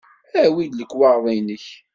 Awi-d lekwaɣeḍ-nnek.